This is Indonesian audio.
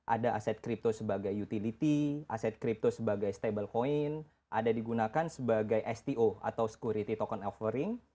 ada aset kripto sebagai utility aset kripto sebagai stable coin ada digunakan sebagai sto atau security token offering